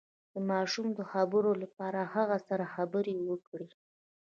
د ماشوم د خبرو لپاره له هغه سره خبرې وکړئ